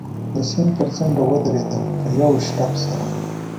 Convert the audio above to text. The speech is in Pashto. د سیند پر څنډه و درېدم، په یوه شړپ سره.